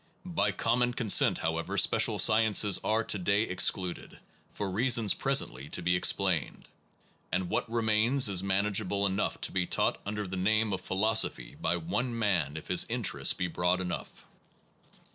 By com mon consent, however, special sciences are to day excluded, for reasons presently to be explained; and what remains is manageable What enough to be taught under the name philoso phy is of philosophy by one man if his in terests be broad enough.